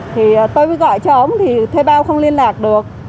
thì tôi mới gọi cho ông thì thuê bao không liên lạc được